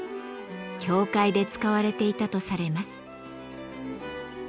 教会で使われていたとされます。